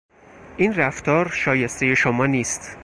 این رفتار شایستهی شما نیست.